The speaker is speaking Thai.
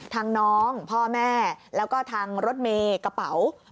น้องพ่อแม่แล้วก็ทางรถเมย์กระเป๋า